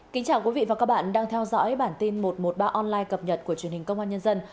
kính chào quý vị và các bạn đang theo dõi bản tin một trăm một mươi ba online cập nhật của truyền hình công an nhân dân